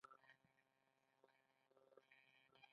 د خوست په ځاځي میدان کې د سمنټو مواد شته.